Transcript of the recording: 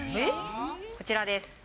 こちらです。